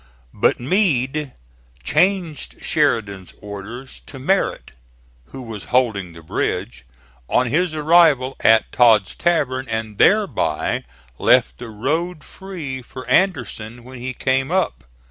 But Meade changed Sheridan's orders to Merritt who was holding the bridge on his arrival at Todd's Tavern, and thereby left the road free for Anderson when he came up.